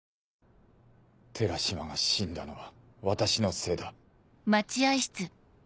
寺島が死んだのは私のせいだ。